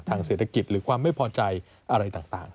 เศรษฐกิจหรือความไม่พอใจอะไรต่าง